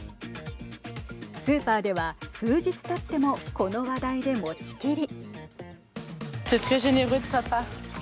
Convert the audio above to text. スーパーでは数日たってもこの話題で持ち切り。